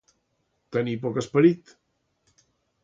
Tenir poc esperit.